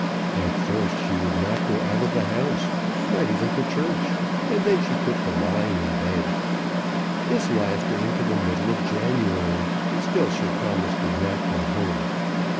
At first she would not go out of the house, not even to church, and then she took to lying in bed. This lasted into the middle of January, and still Sir Thomas did not come home.